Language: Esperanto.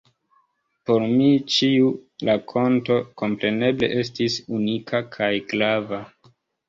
Por mi ĉiu rakonto kompreneble estis unika kaj grava.